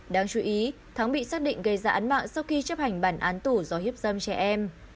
đáng chú ý thắng bị xác định gây ra án mạng sau khi chấp hành bản án tù do hiếp dâm trẻ em